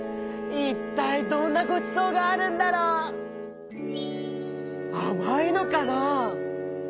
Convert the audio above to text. いったいどんなごちそうがあるんだろう？あまいのかな？